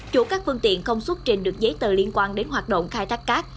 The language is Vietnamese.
chủ các phương tiện không xuất trình được giấy tờ liên quan đến hoạt động khai thác cát